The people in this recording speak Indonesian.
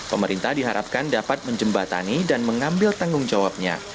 pemerintah diharapkan dapat menjembatani dan mengambil tanggung jawabnya